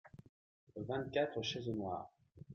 Vingt-quatre chaises noires.